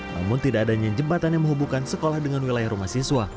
namun tidak adanya jembatan yang menghubungkan sekolah dengan wilayah rumah siswa